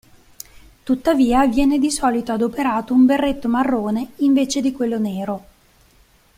Tuttavia, viene di solito adoperato un berretto marrone invece di quello nero.